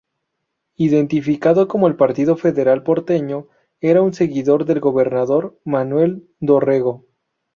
Identificado con el partido federal porteño, era un seguidor del gobernador Manuel Dorrego.